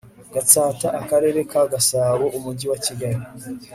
Gatsat Akarere ka Gasabo Umujyi wa Kigali